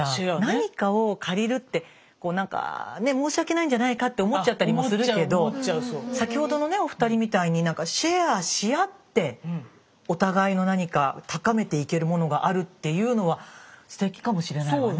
何かを借りるってこうなんかね申し訳ないんじゃないかって思っちゃったりもするけど先ほどのねお二人みたいにシェアし合ってお互いの何か高めていけるものがあるっていうのはステキかもしれないわね。